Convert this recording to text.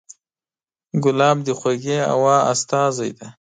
ګلاب د خوږې هوا استازی دی.